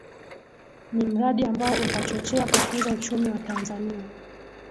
Ni mradi ambao utachochea kukuza uchumi wa Tanzania